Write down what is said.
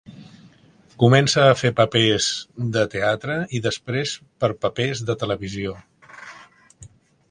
Començà a fer papers de teatre i després per papers de televisió.